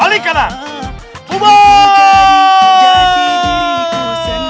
yuk kita pulang